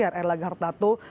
ya erlangga hartarto